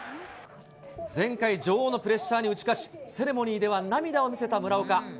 前回女王のプレッシャーに打ち勝ち、セレモニーでは涙を見せた村岡。